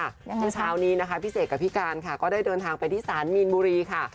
เช้านี้นะคะพี่เสกกับพี่การค่ะก็ได้เดินทางไปที่ศาลมีนบุรีค่ะ